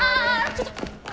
ちょっと！